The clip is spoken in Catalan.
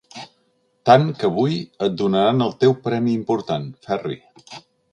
Tant que avui et donaran el teu primer premi important, Ferri.